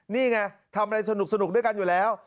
นี่ไงทำอะไรสนุกด้วยกันอยู่แล้ว